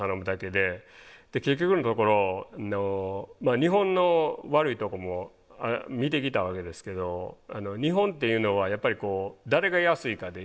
結局のところ日本の悪いとこも見てきたわけですけど日本っていうのはやっぱりこう誰が安いかでいくことが多いわけです。